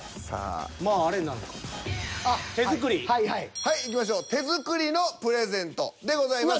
はいいきましょう「手作りのプレゼント」でございます。